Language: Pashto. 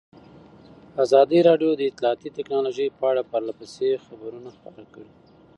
ازادي راډیو د اطلاعاتی تکنالوژي په اړه پرله پسې خبرونه خپاره کړي.